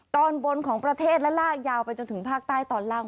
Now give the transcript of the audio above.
ตอนบนของประเทศและลากยาวไปจนถึงภาคใต้ตอนล่าง